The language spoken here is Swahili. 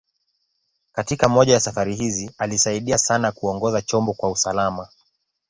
Katika moja ya safari hizi, alisaidia sana kuongoza chombo kwa usalama.